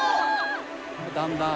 だんだん。